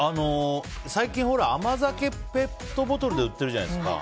最近、甘酒がペットボトルで売っているじゃないですか。